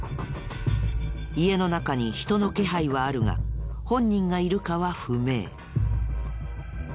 家の中に人の気配はあるが本人がいるかは不明。